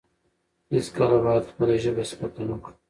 هیڅکله باید خپله ژبه سپکه نه کړو.